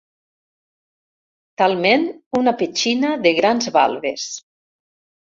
Talment una petxina de grans valves.